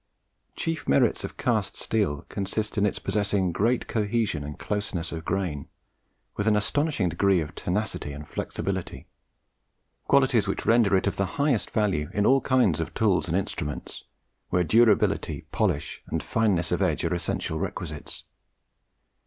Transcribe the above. Chief merits of cast steel consist in its possessing great cohesion and closeness of grain, with an astonishing degree of tenacity and flexibility, qualities which render it of the highest value in all kinds of tools and instruments where durability, polish, and fineness of edge are essential requisites.